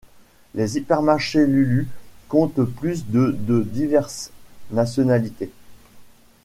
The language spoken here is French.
Les hypermarchés Lulu comptent plus de de diverses nationalités.